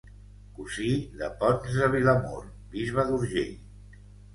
Cosí de Ponç de Vilamur, bisbe d'Urgell.